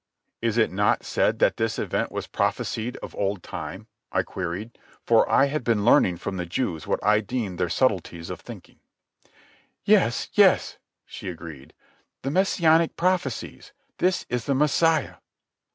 "Is it not said that this event was prophesied of old time?" I queried, for I had been learning from the Jews what I deemed their subtleties of thinking. "Yes, yes," she agreed, "the Messianic prophecies. This is the Messiah."